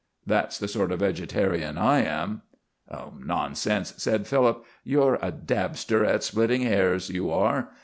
That's the sort of vegetarian I am." "Nonsense!" said Philip. "You're a dabster at splitting hairs, you are.